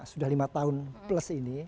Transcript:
sudah lima tahun plus ini